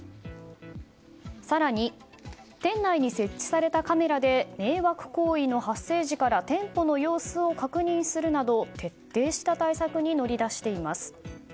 更に、店内に設置されたカメラで迷惑行為の発生時から店舗の様子を確認するなど徹底した対策に乗り出しています。